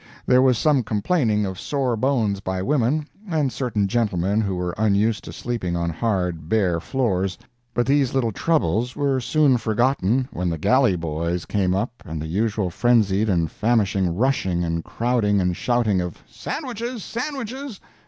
There was some complaining of sore bones by women and certain gentlemen who were unused to sleeping on hard, bare floors, but these little troubles were soon forgotten when the galley boys came up and the usual frenzied and famishing rushing and crowding and shouting of "Sandwiches! Sandwiches!"